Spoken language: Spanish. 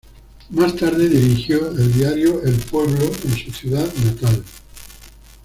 Más tarde dirigió el diario "El Pueblo" en su ciudad natal.